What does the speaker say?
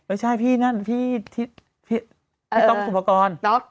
เออใช่พี่น่ะพี่ที่พี่ต้องสุปกรณ์